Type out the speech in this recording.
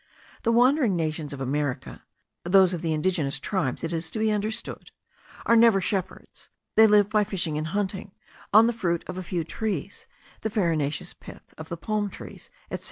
The wandering nations of America (those of the indigenous tribes, it is to be understood) are never shepherds; they live by fishing and hunting, on the fruit of a few trees, the farinaceous pith of palm trees, etc.)